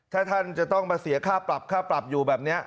ถ้าท่านจะต้องมาเสียค่าปรับค่าปรับอยู่แบบนี้